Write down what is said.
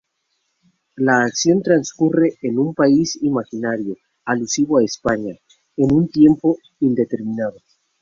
La acción transcurre en un país imaginario, alusivo a España, en un tiempo indeterminado.